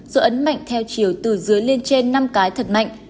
gió ấn mạnh theo chiều từ dưới lên trên năm cái thật mạnh